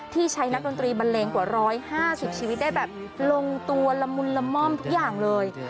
ใช้นักดนตรีบันเลงกว่า๑๕๐ชีวิตได้แบบลงตัวละมุนละม่อมทุกอย่างเลย